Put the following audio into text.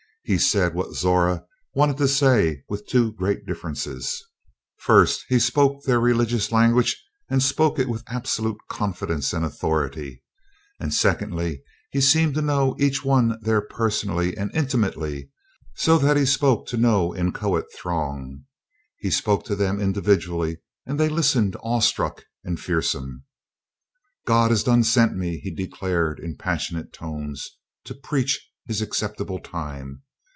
He said what Zora wanted to say with two great differences: first, he spoke their religious language and spoke it with absolute confidence and authority; and secondly, he seemed to know each one there personally and intimately so that he spoke to no inchoate throng he spoke to them individually, and they listened awestruck and fearsome. "God is done sent me," he declared in passionate tones, "to preach His acceptable time.